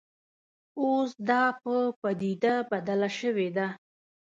اوس دا په پدیده بدله شوې ده